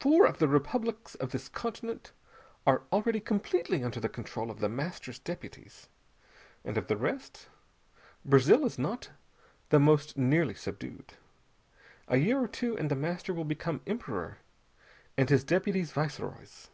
Four of the republics of this continent are already completely under the control of The Master's deputies, and of the rest, Brazil is not the most nearly subdued. A year or two, and The Master will become Emperor, and his deputies viceroys.